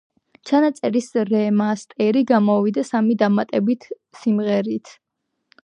ჩანაწერის რემასტერი გამოვიდა სამი დამატებითი სიმღერით.